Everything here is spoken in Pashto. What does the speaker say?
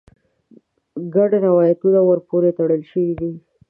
ګڼ روایتونه ور پورې تړل شوي دي.